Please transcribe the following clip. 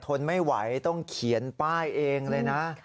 ทนไม่ไหวต้องเขียนป้ายเองเลยนะ